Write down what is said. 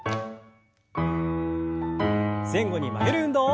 前後に曲げる運動。